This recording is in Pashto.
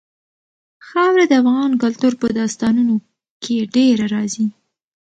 خاوره د افغان کلتور په داستانونو کې ډېره راځي.